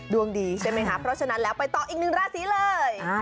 ดวงดีใช่ไหมคะเพราะฉะนั้นแล้วไปต่ออีกหนึ่งราศีเลย